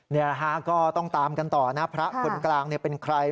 นี่แหละฮะก็ต้องตามกันต่อนะพระคนกลางเป็นใคร